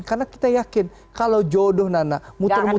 karena kita yakin kalau jodoh nana muter muter